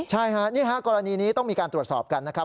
ใช่ค่ะนี่ฮะกรณีนี้ต้องมีการตรวจสอบกันนะครับ